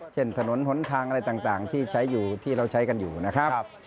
ถนนหนทางอะไรต่างที่ใช้อยู่ที่เราใช้กันอยู่นะครับ